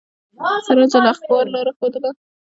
سراج الاخبار لاره ښودله.